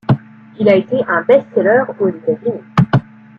Il a été un best-seller aux États-Unis.